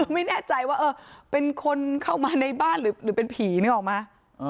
ไม่แน่ใจว่าเป็นคนเข้ามาในบ้านหรือเป็นผีนึกออกมา